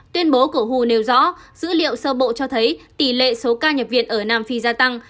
tuyên bố của hu nêu rõ dữ liệu sơ bộ cho thấy tỷ lệ số ca nhập viện ở nam phi gia tăng